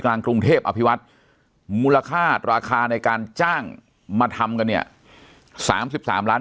กรุงเทพอภิวัฒน์มูลค่าราคาในการจ้างมาทำกันเนี่ย๓๓ล้าน